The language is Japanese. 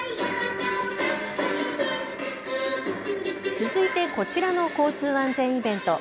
続いてこちらの交通安全イベント。